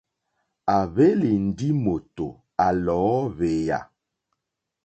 À hwélì ndí mòtò à lɔ̀ɔ́hwèyà.